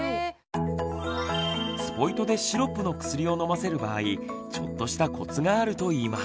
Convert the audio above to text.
スポイトでシロップの薬を飲ませる場合ちょっとしたコツがあるといいます。